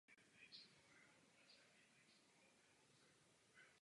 Účastnil se šesti ročníků Závodu míru.